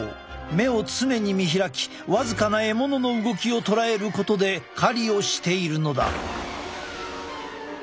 目を常に見開き僅かな獲物の動きを捉えることで狩りをしているのだ。